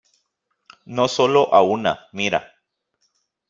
no solo a una, mira.